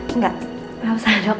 enggak gak usah dok